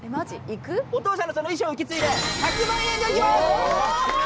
お父さんのその意思を受け継いで１００万円でいきます。